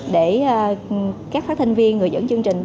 để các phát thanh viên người dẫn chương trình